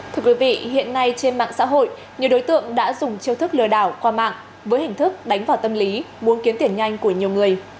thưa quý vị hiện nay trên mạng xã hội nhiều đối tượng đã dùng chiêu thức lừa đảo qua mạng với hình thức đánh vào tâm lý muốn kiếm tiền nhanh của nhiều người